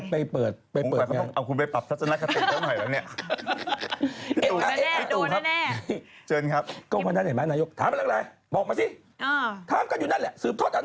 ผมเป็นทหารคิมโอโหไม่ใช่นักการเมือง